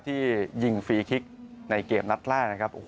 ที่ยิงฟรีคลิกในเกมนัดแรกนะครับ